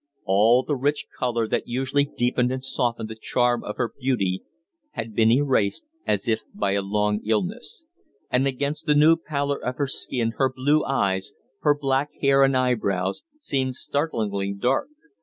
All the rich color that usually deepened and softened the charm of her beauty had been erased as if by a long illness; and against the new pallor of her skin her blue eyes, her black hair and eyebrows, seemed startlingly dark.